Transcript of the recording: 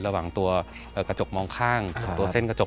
ระหว่างตัวกระจกมองข้างตัวเส้นกระจก